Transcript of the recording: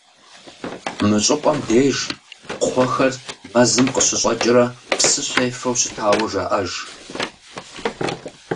Мы щӀыпӀэм деж кхъуэхэр мэзым къыщыщӀэкӀрэ псы щефэу щытауэ жаӀэж.